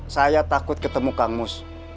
saya takut ketemu kangmus